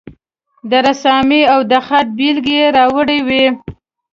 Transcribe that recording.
د رسامي او د خط بیلګې یې راوړې وې.